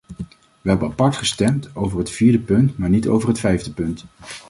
We hebben apart gestemd over het vierde punt, maar niet over het vijfde punt.